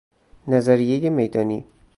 نظریه میدانی